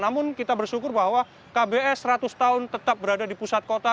namun kita bersyukur bahwa kbs seratus tahun tetap berada di pusat kota